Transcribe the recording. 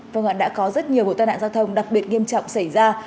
vâng ạ đã có rất nhiều vụ tai nạn giao thông đặc biệt nghiêm trọng xảy ra